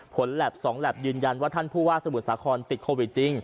แหลป๒แล็บยืนยันว่าท่านผู้ว่าสมุทรสาครติดโควิดจริง